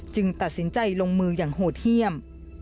ตัดสินใจลงมืออย่างโหดเยี่ยม